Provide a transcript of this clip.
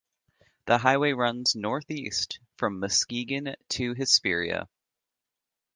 The highway runs northeast from Muskegon to Hesperia.